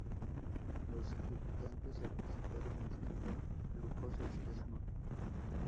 Los ejecutantes se presentaron vistiendo lujosos esmoquin.